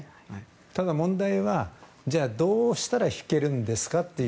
ただ問題は、どうしたら引けるんですかという。